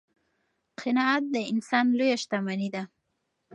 قناعت د انسان لویه شتمني ده.